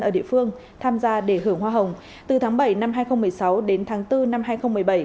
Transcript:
ở địa phương tham gia để hưởng hoa hồng từ tháng bảy năm hai nghìn một mươi sáu đến tháng bốn năm hai nghìn một mươi bảy